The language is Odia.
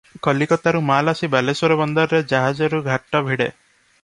କଲିକତାରୁ ମାଲ ଆସି ବାଲେଶ୍ୱର ବନ୍ଦରରେ ଜାହାଜରୁ ଘାଟ ଭିଡେ ।